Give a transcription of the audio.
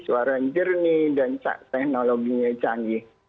suara yang jernih dan teknologinya canggih